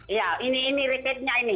iya ini rakyatnya